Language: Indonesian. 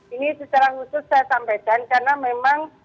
ini secara khusus saya sampaikan karena memang